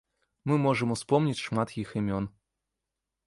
Мы можам успомніць шмат іх імён.